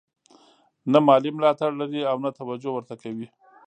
نه مالي ملاتړ لري او نه توجه ورته کوي.